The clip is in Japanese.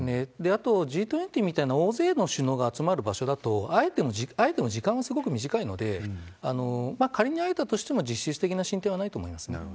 あと、Ｇ２０みたいな大勢の首脳が集まる場所だと、会えても時間はすごく短いので、仮に会えたとしても実質的な進展はないと思います。